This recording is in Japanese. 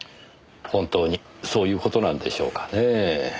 本当にそういう事なんでしょうかねぇ。